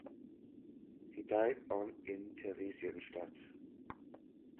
He died on in Theresienstadt.